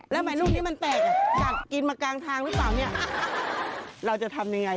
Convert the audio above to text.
แล้วหมายลูกนี้มันแตกอ่ะกัดกินมากลางทางหรือเปล่าเนี่ยเราจะทำยังไง